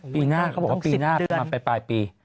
ปีหน้าเขาบอกว่าปีหน้าประมาณปลายปี